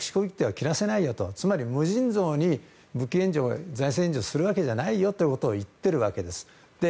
つまり無尽蔵に武器を財政援助するわけじゃないよと言っているわけです。